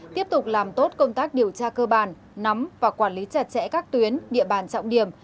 tiếp tục làm tốt công tác điều tra cơ bản nắm và quản lý chặt chẽ các tuyến địa bàn trọng điểm